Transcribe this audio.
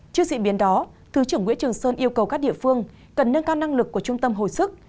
trước diễn biến đó thứ trưởng nguyễn trường sơn yêu cầu các địa phương cần nâng cao năng lực của trung tâm hồi sức